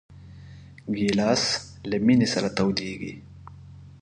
ګیلاس له مېنې سره تودېږي.